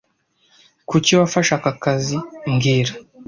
Kuki wafashe aka kazi mbwira